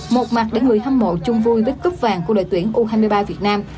một mặt để người hâm mộ chung vui với cúp vàng của đội tuyển u hai mươi ba việt nam